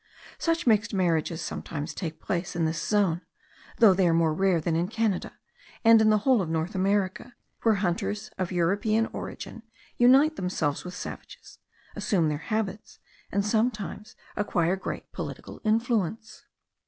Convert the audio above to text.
Such mixed marriages sometimes take place in this zone, though they are more rare than in Canada, and in the whole of North America, where hunters of European origin unite themselves with savages, assume their habits, and sometimes acquire great political influence.